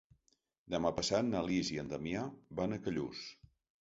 Demà passat na Lis i en Damià van a Callús.